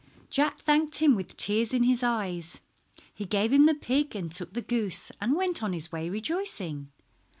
Jack thanked him with tears in his eyes. He gave him the pig and took the goose and went on his way rejoicing.